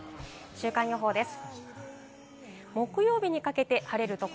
週間予報です。